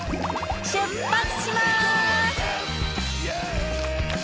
出発します！